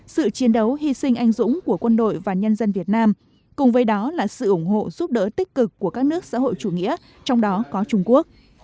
sự chiến đấu hy sinh anh dũng của quân đội và nhân dân việt nam cùng với đó là sự ủng hộ giúp đỡ tích cực của các nước xã hội chủ nghĩa trong đó có trung quốc